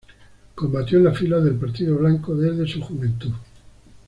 Combatió en las filas del Partido Blanco desde su juventud.